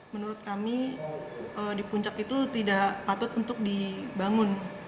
menurut kami di puncak itu tidak patut untuk dibangun